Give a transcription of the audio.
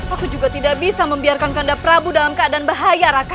aku juga tidak bisa membiarkan ke anda prabu dalam keadaan bahaya raka